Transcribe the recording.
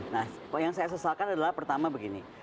nah yang saya sesalkan adalah pertama begini